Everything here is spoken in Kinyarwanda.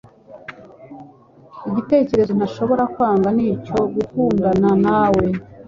Igitekerezo ntashobora kwanga ni icyo gukundana nawe